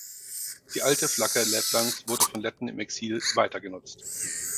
Die alte Flagge Lettlands wurde von Letten im Exil weiter genutzt.